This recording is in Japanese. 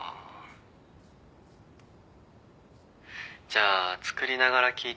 じゃあ作りながら聞いて。